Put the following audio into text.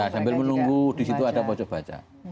sambil menunggu di situ ada poco baca